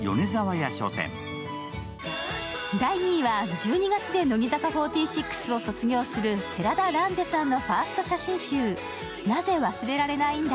１２月で乃木坂４６を卒業する寺田蘭世さんのファースト写真集。